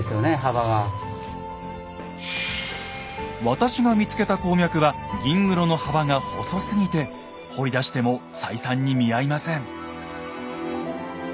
私が見つけた鉱脈は銀黒の幅が細すぎて掘り出しても採算に見合いません。